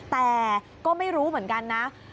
แต่ก็ไม่รู้เหมือนกันนะ